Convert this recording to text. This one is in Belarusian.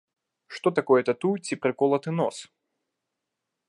Што такое тату ці праколаты нос?